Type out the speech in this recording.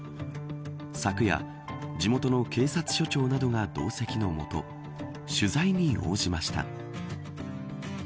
昨夜、地元の警察署長などが同席のもと取材に応じました。